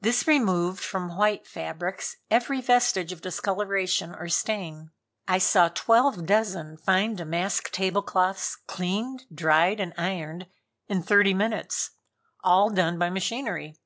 This removed from white fabrics every vestige of discoloration or stain. I saw twelve dozen fine damask table cloths cleaned, dried and ironed in thirty minutes. All done by machinery.